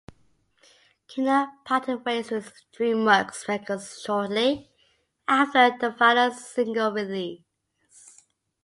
Kina parted ways with DreamWorks Records shortly after the final single release.